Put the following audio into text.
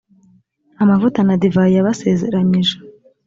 amavuta na divayi yabasezeranyije